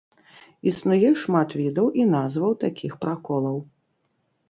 Існуе шмат відаў і назваў такіх праколаў.